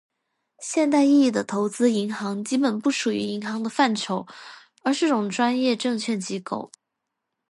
现代意义的投资银行基本不属于银行的范畴，而是种专业证券机构。